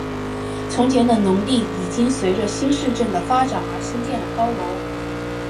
从前的农地已经随着新市镇的发展而兴建了高楼。